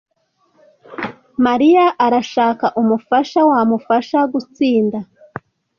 Mariya arashaka umufasha wamufasha gutsinda.